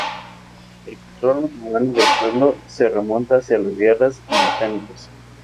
El control otomano del pueblo se remonta hasta la Guerras Balcánicas.